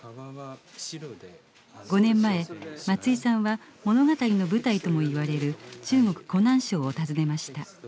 ５年前松居さんは物語の舞台ともいわれる中国・湖南省を訪ねました。